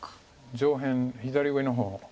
上辺左上の方